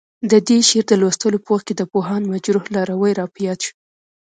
د دې شعر د لوستو په وخت د پوهاند مجروح لاروی راپه یاد شو.